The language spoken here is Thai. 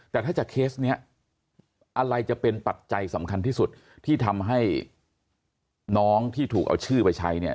แต่ถ้าจากเคสนี้อะไรจะเป็นปัจจัยสำคัญที่สุดที่ทำให้น้องที่ถูกเอาชื่อไปใช้เนี่ย